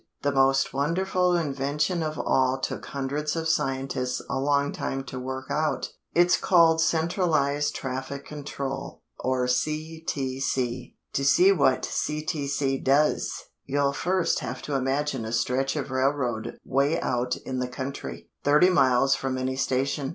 The most wonderful invention of all took hundreds of scientists a long time to work out. It's called Centralized Traffic Control, or CTC. To see what CTC does, you'll first have to imagine a stretch of railroad way out in the country, thirty miles from any station.